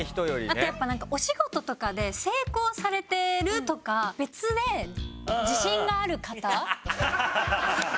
あとやっぱなんかお仕事とかで成功されてるとか別で自信がある方。ハハハハ！